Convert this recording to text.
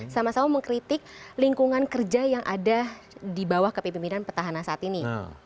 sama sama mengkritik lingkungan kerja yang ada di bawah kepimpinan petahana saat ini